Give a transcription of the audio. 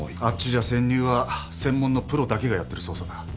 あっちじゃ潜入は専門のプロだけがやってる捜査だ。